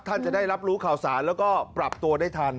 จะได้รับรู้ข่าวสารแล้วก็ปรับตัวได้ทัน